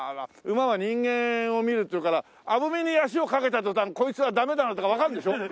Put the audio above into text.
馬は人間を見るっていうから鐙に足をかけた途端こいつはダメだなとかわかるんでしょ？